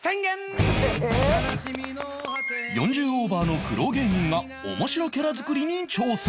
４０オーバーの苦労芸人が面白キャラ作りに挑戦